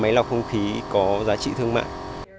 máy lọc không khí có giá trị thương mạng